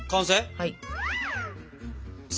はい！